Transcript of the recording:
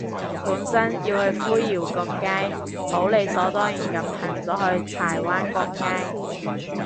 本身要去灰窰角街，好理所當然噉行咗去柴灣角街